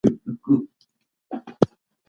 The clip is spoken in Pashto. تر هغه چې صداقت وي، فریب به خپور نه شي.